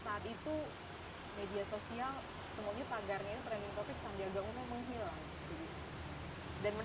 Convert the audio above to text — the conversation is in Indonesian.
saat itu media sosial semuanya pagarnya trending topic sandiaga umum menghilang